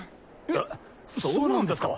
えっそうなんですか。